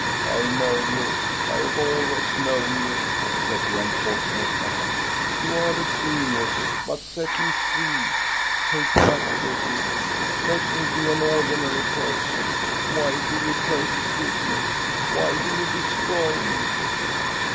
"I know you, I have always known you," said the unfortunate man ;" you are genius. But set me free ! Take back your gift ! Let me be an ordinary person ! Why do you persecute me ? Why do you destroy me